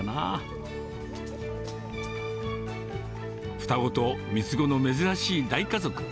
双子と三つ子の珍しい大家族。